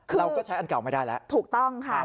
เราก็ใช้อันเก่าไม่ได้แล้วถูกต้องค่ะ